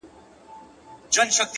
پر دې متل باندي څه شك پيدا سو؛